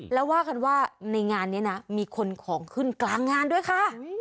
แล้วว่ากันว่าในงานนี้นะมีคนของขึ้นกลางงานด้วยค่ะ